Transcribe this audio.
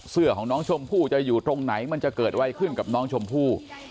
ของน้องชมพู่จะอยู่ตรงไหนมันจะเกิดอะไรขึ้นกับน้องชมพู่